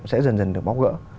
sẽ dần dần được bóp gỡ